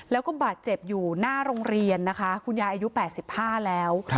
แล้วก็บาดเจ็บอยู่หน้าโรงเรียนนะคะคุณยายอายุ๘๕แล้ว